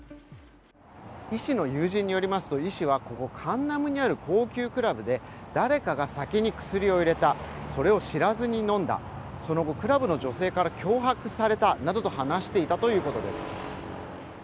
イ氏の友人によるとイ氏はカンナムにあるクラブで誰かが酒に薬を入れたそれを知らずに飲んだ、その後、クラブの女性から脅迫されたなどと話していたということです。